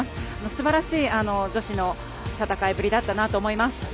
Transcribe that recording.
すばらしい女子の戦いぶりだったなと思います。